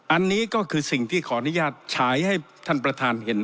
อันนี้ก็คือสิ่งที่ขออนุญาตฉายให้ท่านประธานเห็น